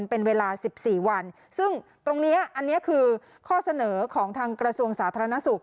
เป็นเวลาสิบสี่วันซึ่งตรงนี้อันนี้คือข้อเสนอของทางกระทรวงสาธารณสุข